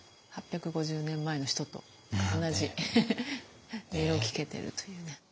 ８５０年前の人と同じ音色を聞けてるというね。